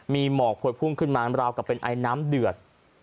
มีหมอกพวยพุ่งขึ้นมาราวกับเป็นไอน้ำเดือด